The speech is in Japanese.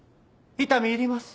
痛み入ります。